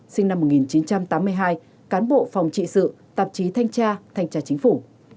sinh năm một nghìn chín trăm tám mươi hai cán bộ phòng trị sự tạp chí thanh tra thanh tra chính phủ